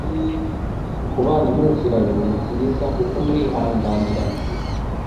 Kubana muziranye ni byiza kuko murihanganirana